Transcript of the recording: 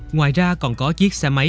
ngoài ra còn có chiếc xe máy